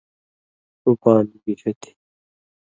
ݜُو پان گِشَہ تھی؟